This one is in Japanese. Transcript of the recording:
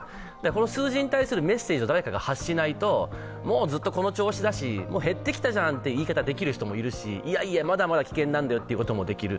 この数字に対するメッセージを誰かが発しないと、もうずっとこの調子だし減ってきたじゃんという言い方をできる人もいるし、いやいや、まだまだ危険なんだよって言うこともできる。